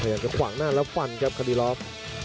ขยับจากขวางหน้าละฟันครับคารีลอฟ